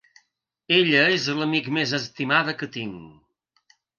Ella és l'amic més estimada que tinc!